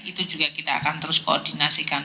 itu juga kita akan terus koordinasikan